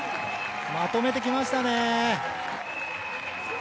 まとめてきましたね。